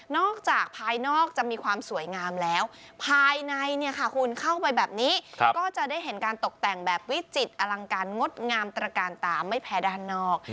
จากภายนอกจะมีความสวยงามแล้วภายในเนี่ยค่ะคุณเข้าไปแบบนี้ก็จะได้เห็นการตกแต่งแบบวิจิตรอลังการงดงามตระการตาไม่แพ้ด้านนอก